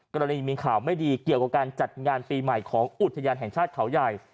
กรณีมีข่าวไม่ดีเกี่ยวกับการจัดงานปีใหม่ของอุทยานแห่งชาติเขาใหญ่